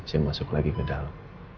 saya masuk lagi ke dalam